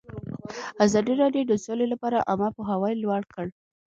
ازادي راډیو د سوله لپاره عامه پوهاوي لوړ کړی.